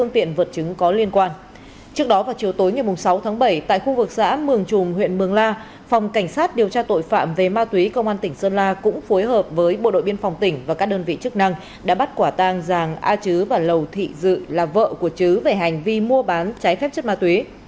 trước đó vào chiều tối ngày sáu tháng bảy tại khu vực xã mường trùm huyện mường la phòng cảnh sát điều tra tội phạm về ma túy công an tỉnh sơn la cũng phối hợp với bộ đội biên phòng tỉnh và các đơn vị chức năng đã bắt quả tang giàng a chứ và lầu thị dự là vợ của chứ về hành vi mua bán trái phép chất ma túy